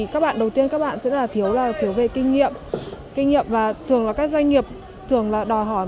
các bạn đầu tiên các bạn sẽ là thiếu về kinh nghiệm và thường là các doanh nghiệp thường là đòi hỏi